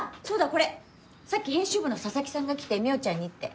これさっき編集部の佐々木さんが来て望緒ちゃんにって。